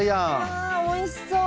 うわおいしそう。